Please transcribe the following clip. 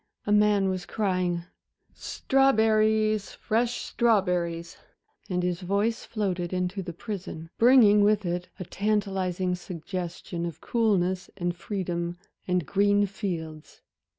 A man was crying "Strawberries, fresh strawberries!" and his voice floated in to the prison, bringing with it a tantalizing suggestion of coolness and freedom and green fields.